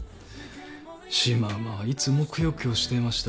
シマウマはいつもくよくよしていました。